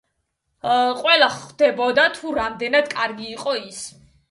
ყველა ხვდებოდა, თუ რამდენად კარგი იყო ის.